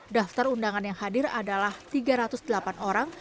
daftar undangan yang hadir adalah tiga ratus delapan orang